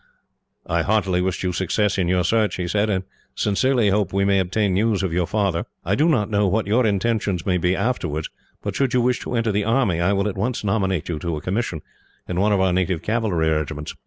"I heartily wish you success in your search," he said, "and sincerely hope we may obtain news of your father. I do not know what your intentions may be, afterwards, but should you wish to enter the army, I will at once nominate you to a commission, in one of our native cavalry regiments."